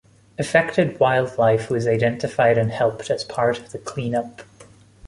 Affected wildlife was identified and helped as part of the cleanup.